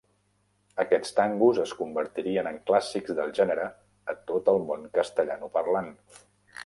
Aquests tangos es convertirien en clàssics del gènere a tot el món castellanoparlant.